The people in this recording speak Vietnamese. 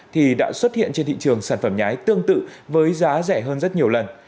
thì đã xuất hiện trên thị trường sản phẩm nhái tương tự với giá rẻ hơn rất nhiều lần